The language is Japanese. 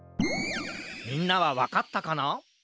みんなはわかったかな？